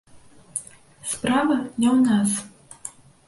Справа не ў нас.